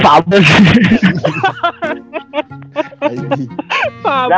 gapang dong mereka anjir